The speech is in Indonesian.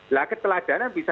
lah keteladanan bisa